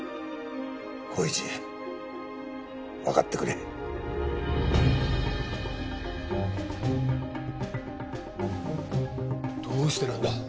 紘一分かってくれどうしてなんだ！？